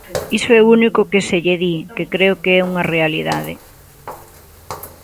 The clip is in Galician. Iso é o único que se lle di, que creo que é unha realidade.